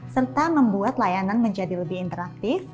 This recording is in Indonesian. serta membuat layanan menjadi lebih interaktif